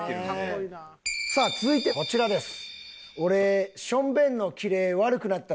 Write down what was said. さあ続いてこちらです。